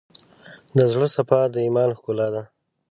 د زړه صفا، د ایمان ښکلا ده.